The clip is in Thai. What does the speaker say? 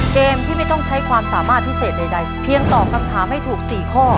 เกมที่ไม่ต้องใช้ความสามารถพิเศษใดเพียงตอบคำถามให้ถูก๔ข้อ